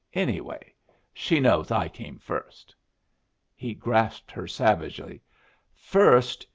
Anyway, she knows I came first!" He grasped her savagely. "First!